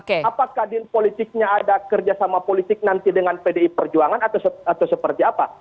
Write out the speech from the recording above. apakah politiknya ada kerjasama politik nanti dengan pdi perjuangan atau seperti apa